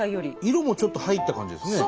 色もちょっと入った感じですね